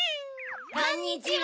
こんにちは。